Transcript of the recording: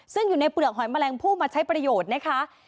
ซึ่งอยู่ในเปลือกหอยแมลงผู้มาใช้ประโยชน์นะคะ